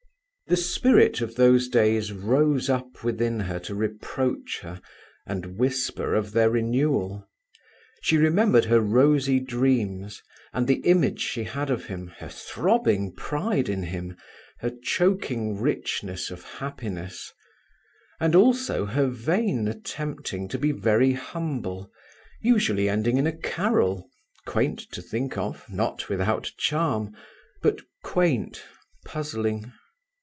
The spirit of those days rose up within her to reproach, her and whisper of their renewal: she remembered her rosy dreams and the image she had of him, her throbbing pride in him, her choking richness of happiness: and also her vain attempting to be very humble, usually ending in a carol, quaint to think of, not without charm, but quaint, puzzling.